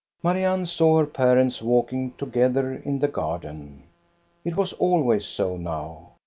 Marianne saw her parents walking together in the garden. It was always so now.